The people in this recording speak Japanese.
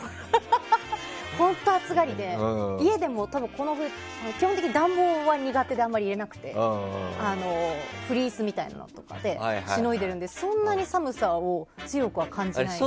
本当暑がりで、家でも基本的に暖房は苦手で入れてなくてフリースみたいなのとかでしのいでいるのでそんなに寒さを強くは感じないです。